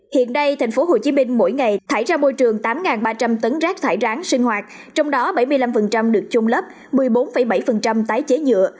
hiện nay tp hcm mỗi ngày thải ra môi trường tám ba trăm linh tấn rác thải ráng sinh hoạt trong đó bảy mươi năm được chôn lấp một mươi bốn bảy tái chế nhựa